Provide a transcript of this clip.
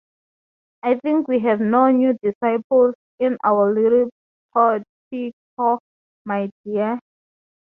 I think we have no new disciples in our little portico, my dear.